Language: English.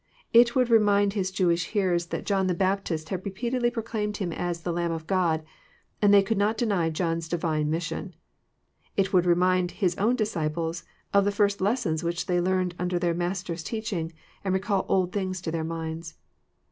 It would remind His Jewisli hearers that John the Baptist had repeatedly proclaimed Him as '* the Lamb of God," and they conld not deny John's Divine mis sion. It would remind His own disciples of the first lessons which they learned under their Master's teaching, and recall old things to their minds.